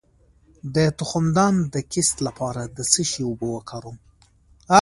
د تخمدان د کیست لپاره د څه شي اوبه وکاروم؟